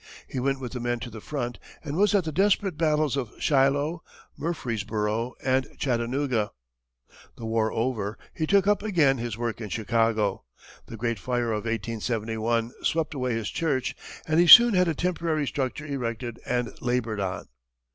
He went with the men to the front, and was at the desperate battles of Shiloh, Murfreesboro, and Chattanooga. The war over, he took up again his work in Chicago. The great fire of 1871 swept away his church, but he soon had a temporary structure erected, and labored on.